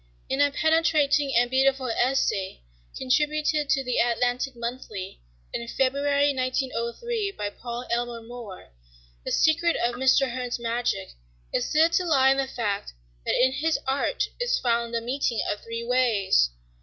In a penetrating and beautiful essay contributed to the "Atlantic Monthly" in February, 1903, by Paul Elmer More, the secret of Mr. Hearn's magic is said to lie in the fact that in his art is found "the meeting of three ways."